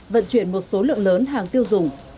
vận chuyển một số lượng lớn hàng tiêu dùng